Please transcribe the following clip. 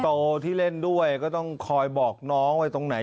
โตที่เล่นด้วยก็ต้องคอยบอกน้องไว้ตรงไหน